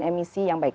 emisi yang baik